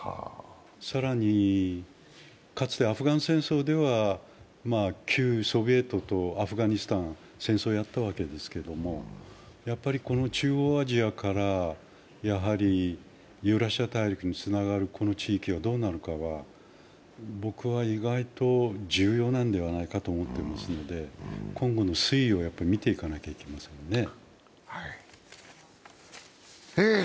更にかつてアフガン戦争では、旧ソビエトとアフガニスタン、戦争をやったわけですけど、中央アジアからユーラシア大陸につながるこの地域がどうなるかは、僕は意外と重要なのではないかと思っていますので、今後の推移を見ていかないといけないですね。